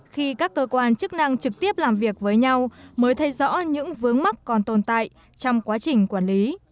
khi các cơ quan chức năng trực tiếp làm việc với nhau mới thấy rõ những vướng mắc còn tồn tại trong quá trình quản lý